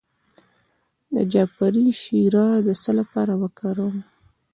د جعفری شیره د څه لپاره وکاروم؟